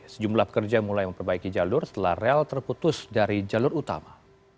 sejumlah pekerja mulai memperbaiki jalur setelah rel terputus dari jalur utama